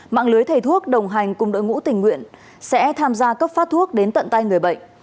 mạng lưới thầy thuốc đồng hành cùng đội ngũ tình nguyện sẽ tham gia cấp phát thuốc đến tận tay người bệnh